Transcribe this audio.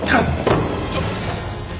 ちょっと！